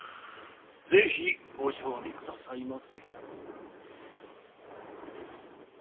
ぜひご賞味くださいませ。